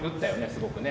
すごくね。